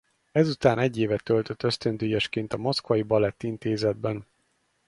Ezután egy évet töltött ösztöndíjasként a Moszkvai Balett Intézetben.